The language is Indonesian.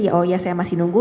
ya oh ya saya masih nunggu